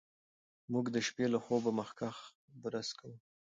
موږ د شپې له خوب مخکې برس کوو.